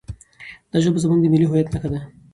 دا ژبه زموږ د ملي هویت نښه ده.